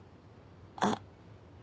あっ。